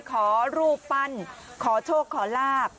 ขอรูปปั้นขอโชคขอลาบ